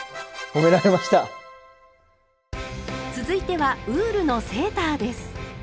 続いてはウールのセーターです。